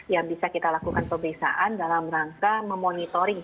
yang bisa kita lakukan pemeriksaan dalam rangka memonitoring